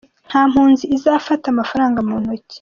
Nta mpunzi izafata amafaranga mu ntoki.